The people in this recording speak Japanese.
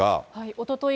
おととい